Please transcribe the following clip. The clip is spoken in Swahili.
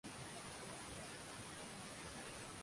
na ya kitumwa Serikali huru ya Uganda